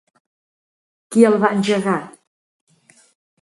Qui el va engegar?